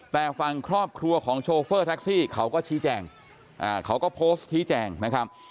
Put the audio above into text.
แต่ฝั่งครอบครัวของโชเฟอร์แท็กซี่เขาก็ชี้แจงเขาก็โพสต์ชี้แจงนะครับ